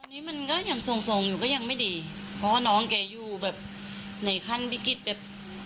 อันนี้มันก็ยังส่งส่งอยู่ก็ยังไม่ดีเพราะว่าน้องแกอยู่แบบในขั้นวิกฤตแบบ